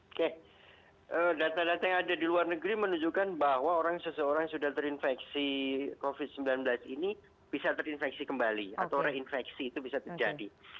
oke data data yang ada di luar negeri menunjukkan bahwa seseorang yang sudah terinfeksi covid sembilan belas ini bisa terinfeksi kembali atau reinfeksi itu bisa terjadi